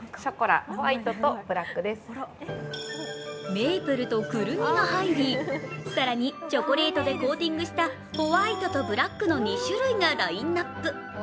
メープルとくるみが入り、更にチョコレートでコーティングしたホワイトとブラックの２種類がラインナップ。